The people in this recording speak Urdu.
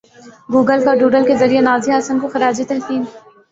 گوگل کا ڈوڈل کے ذریعے نازیہ حسن کو خراج تحسین